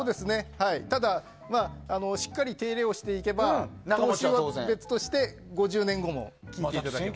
ただ、しっかり手入れをしていけば投資は別として５０年後も聴いていただけます。